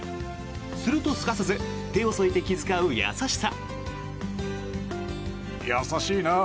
すると、すかさず手を添えて気遣う優しさ。